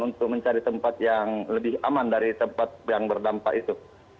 untuk mencari tempat yang lebih aman dari tempat yang berdampak itu